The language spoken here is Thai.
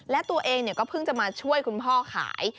และตัวเองก็เพิ่งจะมาช่วยคุณพ่อขาย